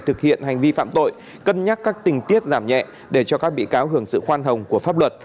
thực hiện hành vi phạm tội cân nhắc các tình tiết giảm nhẹ để cho các bị cáo hưởng sự khoan hồng của pháp luật